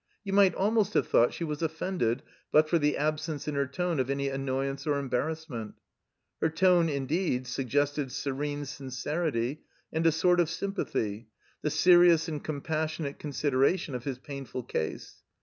You might almost have thought she was offended but for the absence in her tone of any annoyance or embarrassment. Her tone, indeed, suggested serene sincerity and a sort of sympathy, the serious and compassionate consideration of his painftd case.